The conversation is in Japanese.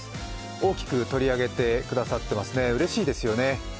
大きく取り上げてくださっていますね、うれしいですよね。